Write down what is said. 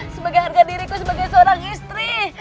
sebagai harga diriku sebagai seorang istri